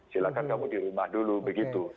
silahkan kamu di rumah dulu begitu